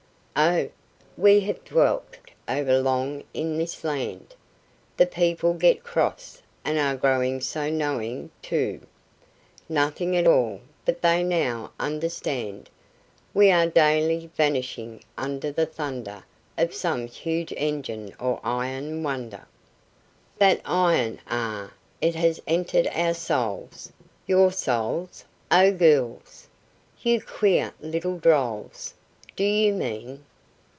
"Oh, we have dwelt over long in this land; The people get cross, and are growing so knowing, too! Nothing at all but they now understand. We are daily vanishing under the thunder Of some huge engine or iron wonder; That iron, ah! it has entered our souls." "Your souls? O gholes, You queer little drolls, Do you mean....?"